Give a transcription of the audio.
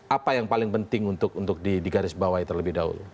apa yang paling penting untuk digarisbawahi terlebih dahulu